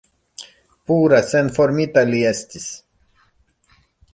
Pura, senformita li estis!